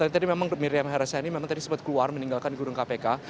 tadi memang miriam haryani memang tadi sempat keluar meninggalkan guru kpk